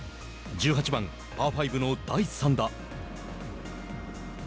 １８番、パー５の第３打。